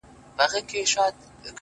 زما دې ژوند د ارواحونو په زنځير وتړئ!